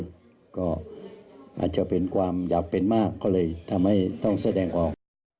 หรือก็อาจจะเป็นความอยากเป็นมากเขาเลยนำให้ต้องแสดงความ